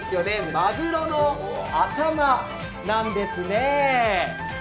まぐろの頭なんですね。